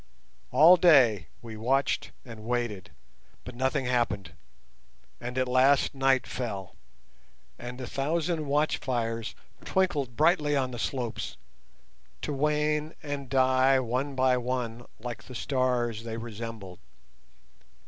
All day we watched and waited, but nothing happened, and at last night fell, and a thousand watch fires twinkled brightly on the slopes, to wane and die one by one like the stars they resembled.